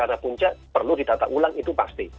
arah puncak perlu didata ulang itu pasti